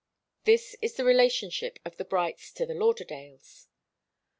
This is the relationship of the Brights to the Lauderdales.